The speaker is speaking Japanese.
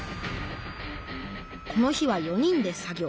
この日は４人で作業。